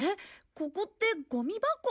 ここってゴミ箱！？